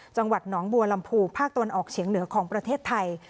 จังหวัดหนองบัวลำพูภาคตะวันออกเฉียงเหนือของประเทศไทย